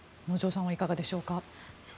能條さんはいかがでしょうか。